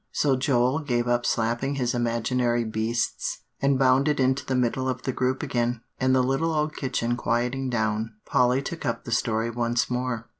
So Joel gave up slapping his imaginary beasts, and bounded into the middle of the group again, and the little old kitchen quieting down, Polly took up the story once more.